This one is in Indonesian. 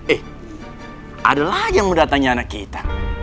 eh ada lagi yang mau datangnya anak kita